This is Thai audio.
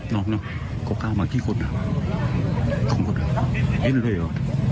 น้องเนี่ยก็กล้าวมากี่คนอ่ะของคนอ่ะนี่เลยเหรอ